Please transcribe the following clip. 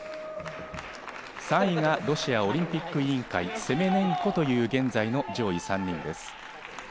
３位がロシアオリンピック委員会、セメネンコという現在の上位３人です。